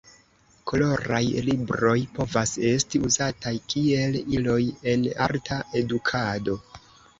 Koloraj libroj povas esti uzataj kiel iloj en arta edukado.